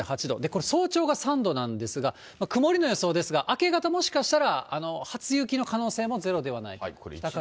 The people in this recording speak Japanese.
これ、早朝が３度なんですが、曇りの予想ですが、明け方、もしかしたら初雪の可能性もゼロではない。